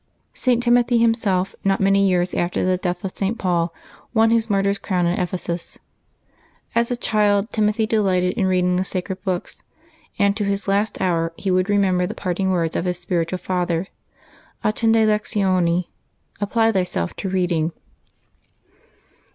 St. Timothy himself, not many years after the death of St. Paul, won his martyr's crown at Ephesus. As a child Timothy delighted in read ing the sacred books, and to his last hour he would remem ber the parting words of his spiritual father, '' Attende lectioni — Apply thyself to reading.''